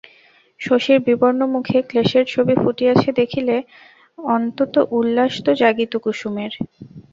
শশীর বিবর্ণমুখে ক্লেশের ছবি ফুটিয়াছে দেখিলে অন্তত উল্লাস তো জাগিত কুসুমের।